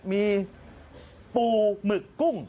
มีปูหมึกกุ้ง